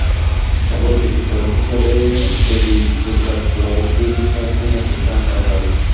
তবে অতিরিক্ত হিসেবে দেবী দুর্গার কোলে শ্রীকৃষ্ণের একটি মূর্তি স্থাপন করা হয়।